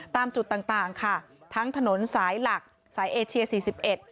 ตามจุดต่างค่ะทั้งถนนสายหลักสายเอเชีย๔๑